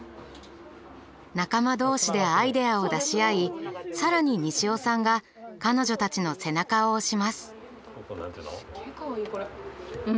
仲間同士でアイデアを出し合いさらに西尾さんが彼女たちの背中を押します。